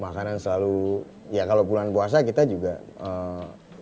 makanan selalu ya kalo bulan puasa kita juga ee